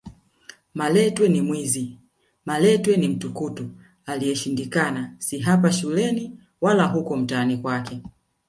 Malatwe ni mwizi Malatwe ni mtukutu aliyeshindikana si hapa shuleni wala huko mtaani kwake